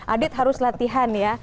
adit harus latihan ya